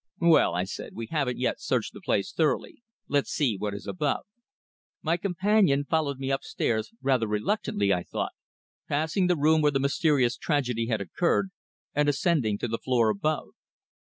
"Well," I said, "we haven't yet searched the place thoroughly. Let's see what is above." My companion followed me upstairs rather reluctantly, I thought, passing the room where the mysterious tragedy had occurred and ascending to the floor above.